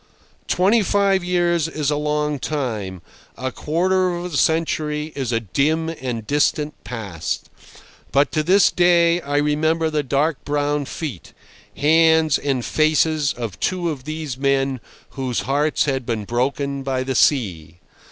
Twenty five years is a long time—a quarter of a century is a dim and distant past; but to this day I remember the dark brown feet, hands, and faces of two of these men whose hearts had been broken by the sea.